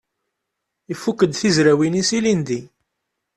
Ifukk-d tizrawin-is ilindi.